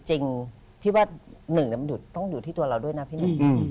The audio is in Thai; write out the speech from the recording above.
พี่นึกว่าหนึ่งมันต้องอยู่ที่ตัวเราด้วยนะพี่นึก